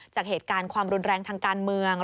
จากเหตุการณ์ความรุนแรงทางการเมือง